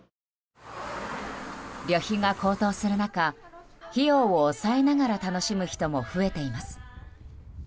旅費が高騰する中費用を抑えながら楽しむ人も増えています。